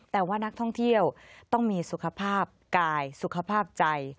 แต่ว่านักท่องเที่ยวต้องมีสุขภาพกายสุขภาพใจ